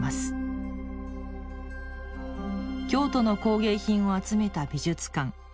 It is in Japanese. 京都の工芸品を集めた美術館。